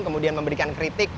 kemudian memberikan kritik